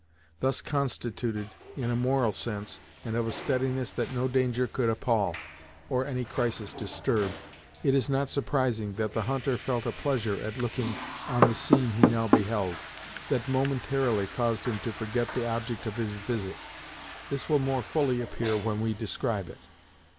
Thus constituted, in a moral sense, and of a steadiness that no danger could appall, or any crisis disturb, it is not surprising that the hunter felt a pleasure at looking on the scene he now beheld, that momentarily caused him to forget the object of his visit. This will more fully appear when we describe it.